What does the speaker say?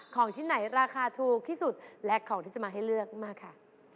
ของชิ้นไหนราคาถูกที่สุดและของที่จะมาให้เลือกมาค่ะ